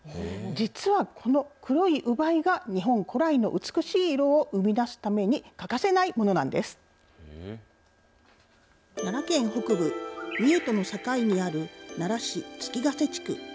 実はこの黒い烏梅が、日本古来の美しい色を生み出すために欠かせ奈良県北部、三重との境にある奈良市月ヶ瀬地区。